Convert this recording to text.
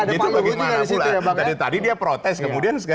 itu bagaimana pula tadi dia protes kemudian